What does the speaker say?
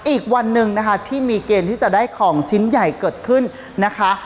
อีกวันหนึ่งนะคะที่มีเกณฑ์ที่จะได้ของชิ้นใหญ่เกิดขึ้นนะคะ